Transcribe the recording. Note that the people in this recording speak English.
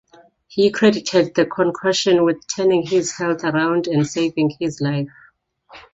He credited the concoction with turning his health around and saving his life.